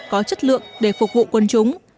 có chất lượng để phục vụ quân chúng